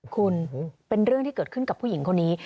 คุณเป็นเรื่องที่เกิดขึ้นกับผู้หญิงคนนี้